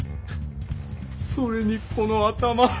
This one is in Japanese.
それにこの頭！